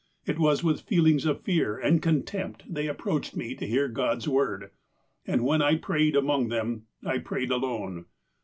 It was with feelings of fear and contempt they ap proached me to hear God's Word, and, when I prayed among them, I prayed alone.